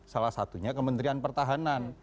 salah satunya kementerian pertahanan